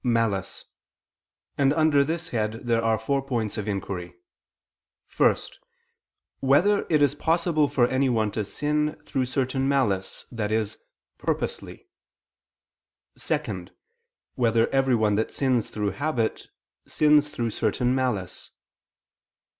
malice: and under this head there are four points of inquiry: (1) Whether it is possible for anyone to sin through certain malice, i.e. purposely? (2) Whether everyone that sins through habit, sins through certain malice?